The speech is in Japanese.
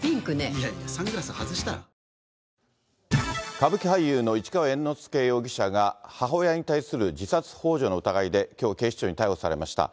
歌舞伎俳優の市川猿之助容疑者が、母親に対する自殺ほう助の疑いで、きょう警視庁に逮捕されました。